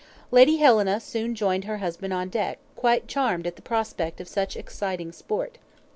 Lady Helena soon joined her husband on deck, quite charmed at the prospect of such exciting sport.